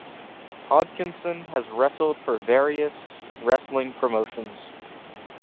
Hodgkinson has wrestled for various wrestling promotions.